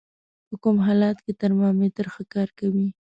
په کوم حالت کې ترمامتر ښه کار کوي؟